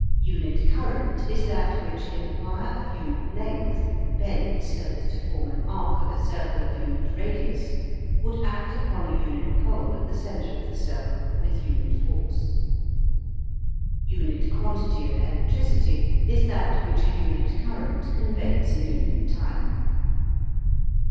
UNIT CURRENT is that which in a wire of unit length, bent so as to form an arc of a circle of unit radius, would act upon a unit pole at the centre of the circle with unit force. UNIT QUANTITY of electricity is that which a unit current conveys in unit time.